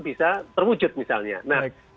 bisa terwujud misalnya nah